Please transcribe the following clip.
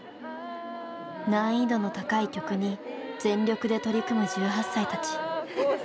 難易度の高い曲に全力で取り組む１８歳たち。